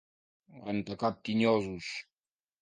Rentar caps tinyosos.